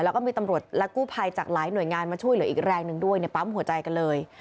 แล้วก็มีตำรวจและกู้ภัยจากหลายหน่วยงานมาช่วยเหลืออีกแรงหนึ่งด้วยในปั๊มหัวใจกันเลย